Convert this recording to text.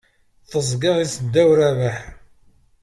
Teẓẓgeɣ, issedaw Rabaḥ.